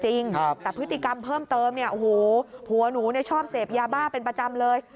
จริงแต่พฤติกรรมเพิ่มเติมหัวหนูชอบเสพยาบ้าเป็นประจำเลย